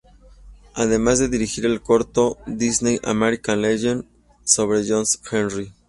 Además de dirigir el corto "Disney's American Legends" sobre "John Henry".